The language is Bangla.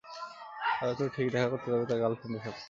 তাহলে তো ঠিক দেখা করতে যাবে তার গার্ল ফ্রেন্ড এর সাথে।